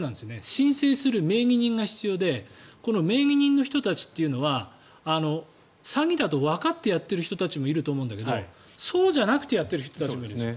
申請する名義人が必要でこの名義人の人たちというのは詐欺だとわかってやっている人たちもいると思うんだけどそうじゃなくてやってる人たちもいるんですよ。